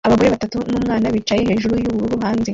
Abagore batatu n'umwana bicaye hejuru yubururu hanze